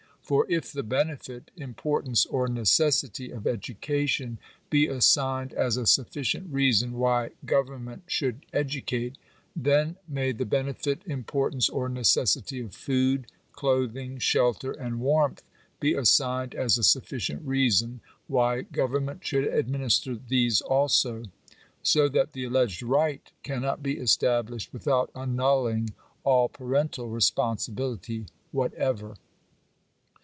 For if the benefit, importance, or necessity of education be assigned as a sufficient reason why government should educate, then may the benefit, importance, or necessity of food, clothing, shelter, and warmth be assigned as a sufficient reason why government should administer these also. So that the alleged right can not be established without annulling all parental responsibility whatever.